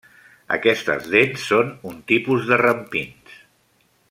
Aquestes dents són un tipus de rampins.